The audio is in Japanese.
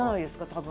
多分。